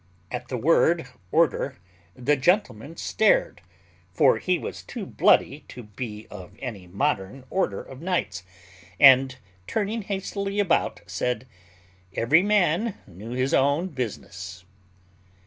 At the word order, the gentleman stared (for he was too bloody to be of any modern order of knights); and, turning hastily about, said, "Every man knew his own business."